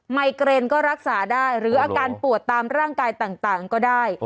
ไมเกรนก็รักษาได้หรืออาการปวดตามร่างกายต่างก็ได้